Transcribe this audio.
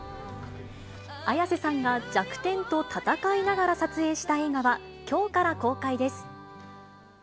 綾瀬さんが、弱点と闘いながら撮影した映画は、きょうから公開です。